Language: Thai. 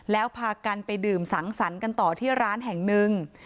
แล้วพากันไปดื่มสังสรรค์กันต่อที่ร้านแห่งหนึ่ง